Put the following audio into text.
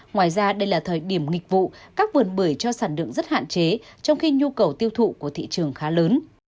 ngoài ra đây là thời điểm nghịch vụ các vườn bưởi cho sản lượng rất hạn chế trong khi nhu cầu tiêu thụ của thị trường khá lớn